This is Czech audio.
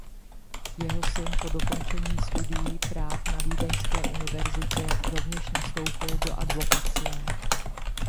Jeho syn po dokončení studií práv na Vídeňské univerzitě rovněž nastoupil do advokacie.